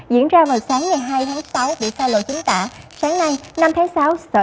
diễn ra vào sáng ngày hai tháng sáu bị xa lộ chính tả